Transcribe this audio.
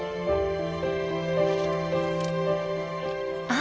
あ！